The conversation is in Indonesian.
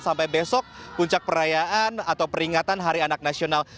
sampai besok puncak perayaan atau peringatan hari anak nasional